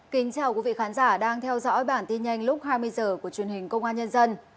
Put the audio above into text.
kính chào quý vị khán giả đang theo dõi bản tin nhanh lúc hai mươi h của truyền hình công an nhân dân